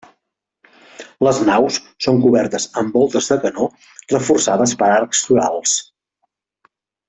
Les naus són cobertes amb voltes de canó reforçades per arcs torals.